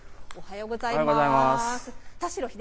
おはようございます。